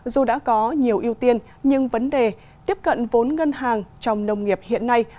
dù đã có nhiều ưu tiên nhưng vấn đề tiếp cận vốn ngân hàng trong nông nghiệp hiện nay